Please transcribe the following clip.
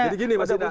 jadi gini pak harto